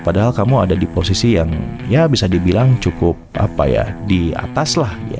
padahal kamu ada di posisi yang ya bisa dibilang cukup apa ya di atas lah